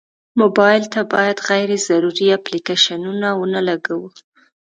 موبایل ته باید غیر ضروري اپلیکیشنونه ونه لګوو.